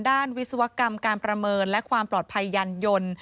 วิศวกรรมการประเมินและความปลอดภัยยันยนต์